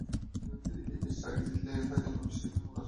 এই ম্যাচটা আগে জিতলে তবেই ফাইনাল বা বিশ্ব চ্যাম্পিয়ন হওয়ার প্রসঙ্গ আসছে।